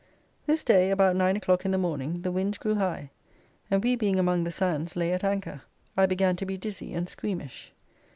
This day, about nine o'clock in the morning, the wind grew high, and we being among the sands lay at anchor; I began to be dizzy and squeamish.